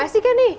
masih kan nih